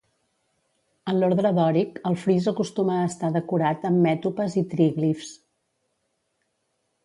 En l'ordre dòric el fris acostuma a estar decorat amb mètopes i tríglifs.